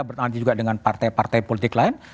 bernanti juga dengan partai partai politik lain